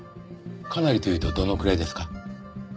かなりというとどのくらいですか？